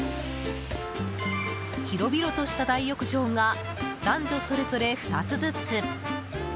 広々とした大浴場が男女それぞれ２つずつ。